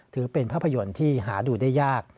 ถือเป็นภาพยนตร์ที่หาดูได้ยาก